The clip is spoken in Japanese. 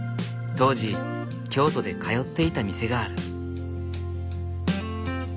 当時京都で通っていた店がある。